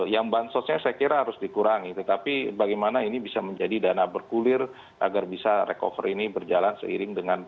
yang bansosnya saya kira harus dikurangi tetapi bagaimana ini bisa menjadi dana berkulir agar bisa recover ini berjalan seiring dengan